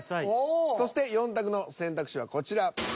そして４択の選択肢はこちら。